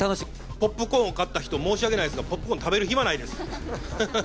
ポップコーンを買った人、申し訳ないですけど、ポップコーン食べる暇ないです。